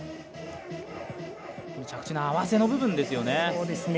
着地の合わせの部分ですよね。